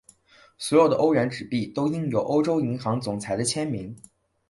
所有的欧元纸币都印有欧洲央行总裁的签名。